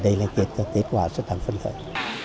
đây là kết quả rất đáng phân khởi